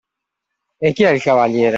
E chi è il cavaliere?